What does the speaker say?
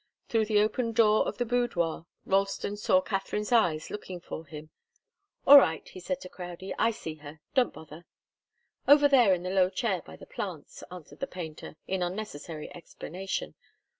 Through the open door of the boudoir Ralston saw Katharine's eyes looking for him. "All right," he said to Crowdie, "I see her. Don't bother." "Over there in the low chair by the plants," answered the painter, in unnecessary explanation.